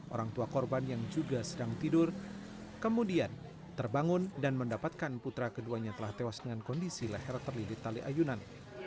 orang tua korban yang juga sedang tidur kemudian terbangun dan mendapatkan putra keduanya telah tewas dengan kondisi leher terlilit tali ayunan